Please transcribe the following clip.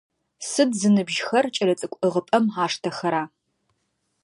Сыд зыныбжьыхэр кӏэлэцӏыкӏу ӏыгъыпӏэм аштэхэра?